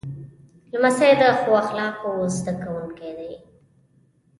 لمسی د ښو اخلاقو زده کوونکی وي.